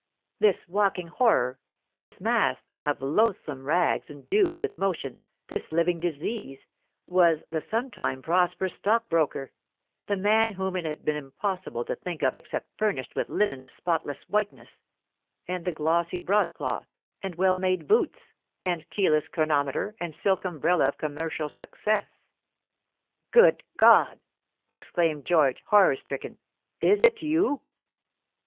This walking horror, this mass of loathsome rags endued with motion, this living disease, was the sometime prosperous stockbroker, the man whom it had been impossible to think of except furnished with linen of spotless whiteness, and the glossy broad cloth, and well made boots, and keyless chronometer, and silk umbrella of commercial success. "Good God!" exclaimed George, horror stricken, "is it you?"